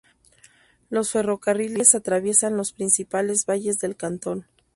Los ferrocarriles atraviesan los principales valles del cantón.